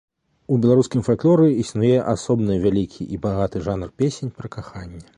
У беларускім фальклоры існуе асобны вялікі і багаты жанр песень пра каханне.